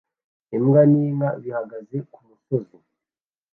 Imbwa n'inka bihagaze kumusozi